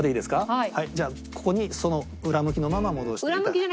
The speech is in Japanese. はいじゃあここにその裏向きのまま戻して。